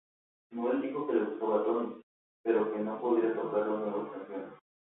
Noel dijo que le gustaba Tony pero que no podría tocar las nuevas canciones.